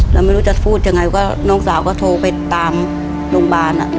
แล้วไม่รู้จะพูดยังไงก็น้องสาวก็โทรไปตามโรงพยาบาล